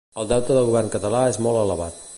El deute del govern català és molt elevat.